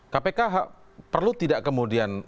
kpk perlu tidak kemudian